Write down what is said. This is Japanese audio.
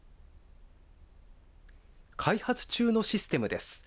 開発中のシステムです。